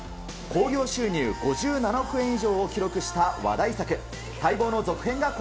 興行収入５７億円以上を記録した話題作。